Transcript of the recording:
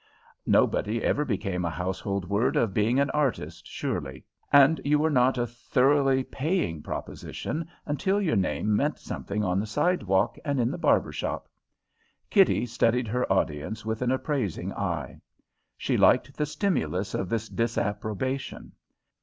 Nobody ever became a household word of being an artist, surely; and you were not a thoroughly paying proposition until your name meant something on the sidewalk and in the barber shop. Kitty studied her audience with an appraising eye. She liked the stimulus of this disapprobation.